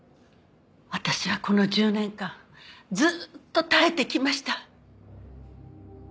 私はこの１０年間ずっと耐えてきました。